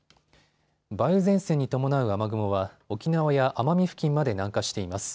梅雨前線に伴う雨雲は沖縄や奄美付近まで南下しています。